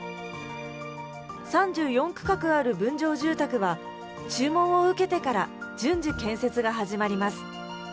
３４区画ある分譲住宅は、注文を受けてから順次、建設が始まります。